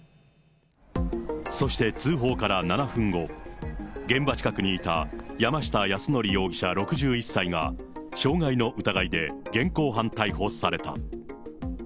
そして通報から７分後、現場近くにいた山下泰範容疑者６１歳が、傷害の疑いで現行犯逮捕された。